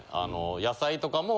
野菜とかも。